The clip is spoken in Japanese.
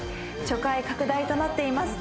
初回拡大となっています